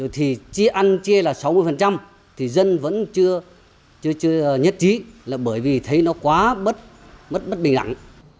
thì chia ăn chia là sáu mươi thì dân vẫn chưa nhất trí là bởi vì thấy nó quá bất bình đẳng